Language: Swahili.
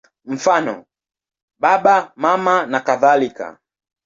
Mfano: Baba, Mama nakadhalika.